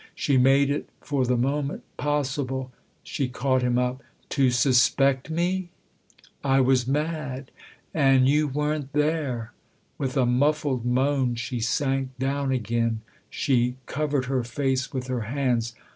" She made it for the moment possible She caught him up. " To suspect me ?"" I was mad and you're weren't there." With a muffled moan she sank down again ; she covered her face with her hands.